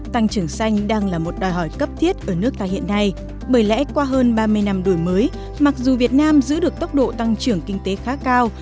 tăng trưởng xanh đang là một đòi hỏi cấp thiết ở nước ta hiện nay bởi lẽ qua hơn ba mươi năm đổi mới mặc dù việt nam giữ được tốc độ tăng trưởng kinh tế khá cao